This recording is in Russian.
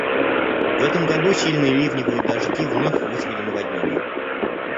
В этом году сильные ливневые дожди вновь вызвали наводнение.